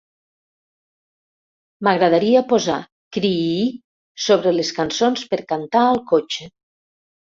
M'agradaria posar qriii sobre les cançons per cantar al cotxe.